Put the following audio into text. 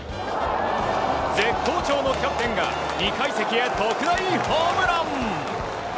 絶好調のキャプテンが２階席へ特大ホームラン！